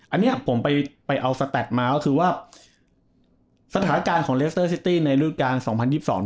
อันนี้ผมไปไปเอาสแตดมาก็คือว่าสถานการณ์ของเลสเตอร์ซิตี้ในรูปการสองพันยี่สิบสอง